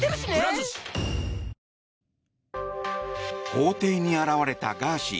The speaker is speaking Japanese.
法廷に現れたガーシー